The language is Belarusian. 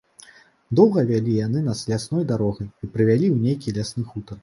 Доўга вялі яны нас лясной дарогай і прывялі ў нейкі лясны хутар.